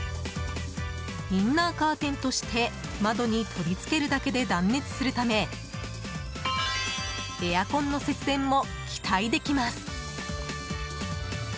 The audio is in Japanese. インナーカーテンとして窓に取り付けるだけで断熱するためエアコンの節電も期待できます。